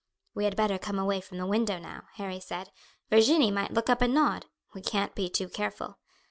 "We had better come away from the window now," Harry said; "Virginie might look up and nod, we can't be too careful."